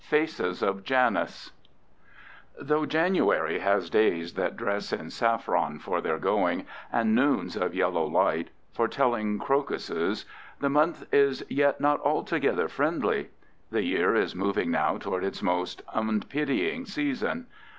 FACES OF JANUS Though January has days that dress in saffron for their going, and noons of yellow light, foretelling crocuses, the month is yet not altogether friendly. The year is moving now toward its most unpitying season.